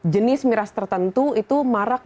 jenis miras tertentu itu marak